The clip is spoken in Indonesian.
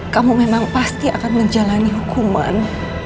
kamu memang pasti akan menjalani hukuman